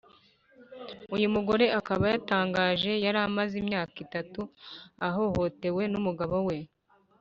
Uyu mugore akaba yatangaje yaramaze imyaka itatu ahohoterwa numugabo we